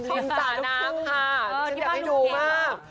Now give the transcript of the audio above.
ริมตาน้ำค่ะนี่จะไปดูมาก